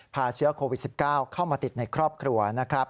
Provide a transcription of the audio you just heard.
พาเชื้อโควิด๑๙เข้ามาติดในครอบครัวนะครับ